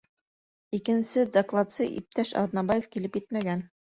Икенсе докладсы иптәш Аҙнабаев килеп етмәгән.